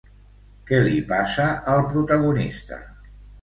Què li passa al protagonista?